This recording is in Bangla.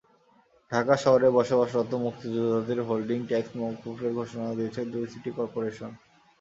ঢাকা শহরে বসবাসরত মুক্তিযোদ্ধাদের হোল্ডিং ট্যাক্স মওকুফের ঘোষণা দিয়েছে দুই সিটি করপোরেশন।